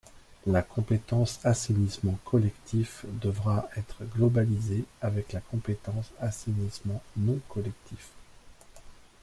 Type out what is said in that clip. La compétence assainissement collectif devra être globalisée avec la compétence assainissement non collectif.